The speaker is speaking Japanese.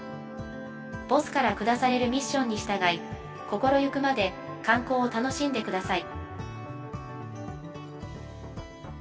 ＢＯＳＳから下されるミッションに従い心ゆくまで観光を楽しんで下さい。